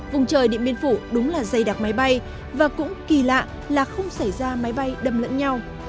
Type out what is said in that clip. vùng trời điện biên phủ đúng là dày đặc máy bay và cũng kỳ lạ là không xảy ra máy bay đâm lẫn nhau